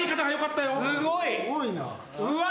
うわ。